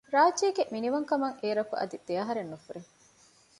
ރާއްޖޭގެ މިނިވަންކަމަކަށް އޭރަކު އަދި ދެއަހަރެއް ނުފުރޭ